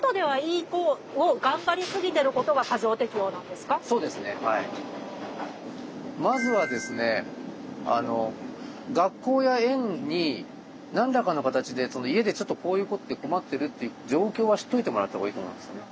でそうするとねじゃあいわゆるまずはですね学校や園に何らかの形で家でちょっとこういうことで困ってるっていう状況は知っておいてもらったほうがいいと思いますね。